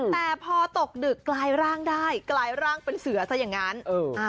แต่พอตกดึกกลายร่างได้กลายร่างเป็นเสือซะอย่างนั้นเอออ่า